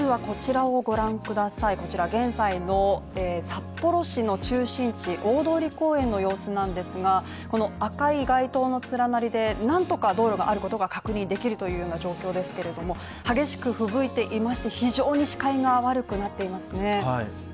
こちら、現在の札幌市の中心地、大通公園の様子なんですが赤い街灯の連なりでなんとか道路があることが確認できるというような状況ですけど激しくふぶいていまして、非常に視界が悪くなっていますね。